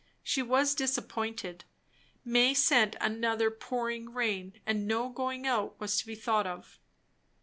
She was disappointed. May sent another pouring rain, and no going out was to be thought of.